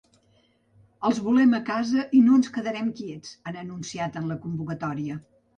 Els volem a casa i no ens quedarem quiets, han anunciat en la convocatòria.